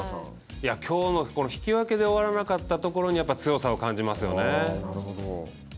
きょうの引き分けで終わらなかったところに強さを感じますよね。